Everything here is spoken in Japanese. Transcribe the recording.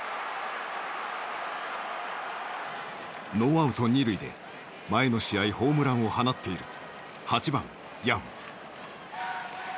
ノーアウト二塁で前の試合ホームランを放っている８番ヤン。